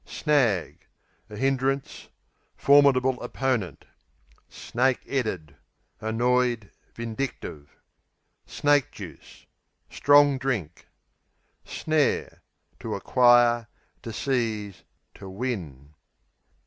Snag A hindrance; formidable opponent. Snake 'eaded Annoyed, vindictive. Snake juice Strong drink. Snare To acquire; to seize; to win.